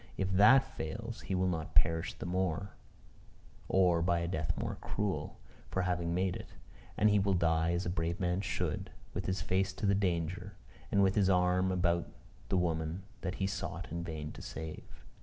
If that fails, he will not perish the more, or by a death more cruel, for having made it; and he will die as a brave man should, with his face to the danger, and with his arm about the woman that he sought in vain to save.